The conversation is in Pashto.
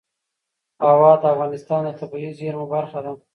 هوا د افغانستان د طبیعي زیرمو برخه ده.